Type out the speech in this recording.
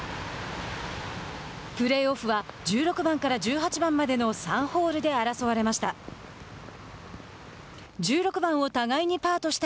プレーオフは１６番から１８番までの３ホールで争われました。